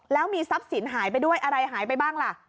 แล้วมีทรัพย์สินหายไปด้วยอะไรหายไปบ้างล่ะ